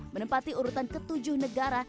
menempati urutan ke tujuh negara